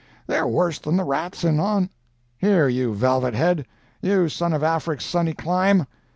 They're worse than the rats in Hon—here, you velvet head! you son of Afric's sunny clime!